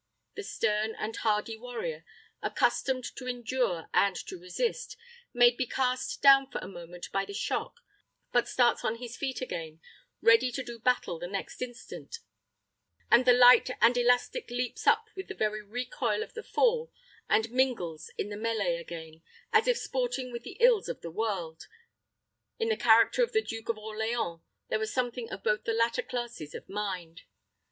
The stern and hardy warrior, accustomed to endure and to resist, may be cast down for a moment by the shock, but starts on his feet again, ready to do battle the next instant; and the light and elastic leaps up with the very recoil of the fall, and mingles in the melee again, as if sporting with the ills of the world. In the character of the Duke of Orleans there was something of both the latter classes of mind.